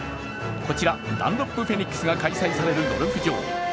こちら、ダンロップフェニックスが開催されるゴルフ場。